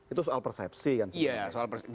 itu soal persepsi kan